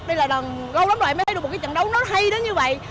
đây là lần đầu lắm rồi em mới thấy được một trận đấu nó hay đến như vậy